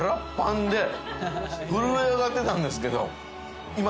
震え上がってたんですけど今。